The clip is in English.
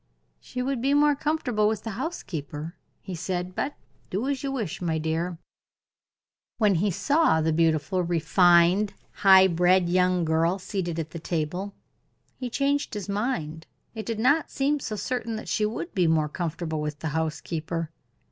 "She would be more comfortable with the housekeeper," he said; "but do as you wish, my dear." When he saw the beautiful, refined, high bred young girl seated at the table, he changed his mind it did not seem so certain that she would be more comfortable with the housekeeper.